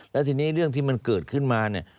แล้วทีนี้เรื่องที่มันเกิดขึ้นมาเนี่ย